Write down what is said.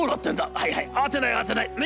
『はいはい慌てない慌てないねっ。